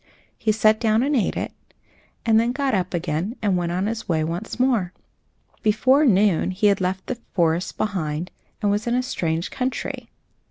He sat down and ate it, and then got up again and went on his way once more. Before noon he had left the forest behind him, and was in a strange country.